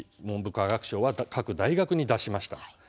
文部科学省は各大学に出しました。